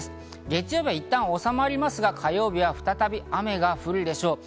月曜日は一旦収まりますが火曜日は再び雨が降るでしょう。